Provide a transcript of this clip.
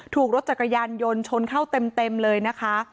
ถูกรถจักรยานยนต์ชนเข้าเต็มเลยนะคะ